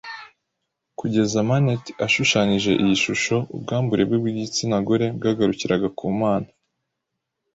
Kugeza Manet ashushanyije iyi shusho, ubwambure bwe bwigitsina gore bwagarukiraga ku mana.